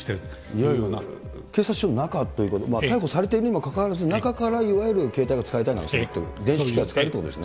いわゆる警察署の中という、逮捕されているにもかかわらず、中から、いわゆる携帯を使えると、電子機器が使えるということですね。